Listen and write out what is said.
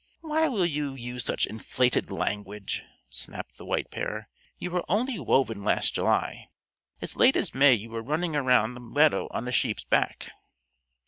"Why will you use such inflated language?" snapped the White Pair. "You were only woven last July. As late as May you were running round the meadow on a sheep's back."